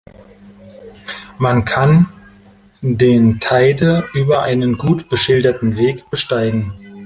Man kann den Teide über einen gut beschilderten Weg besteigen.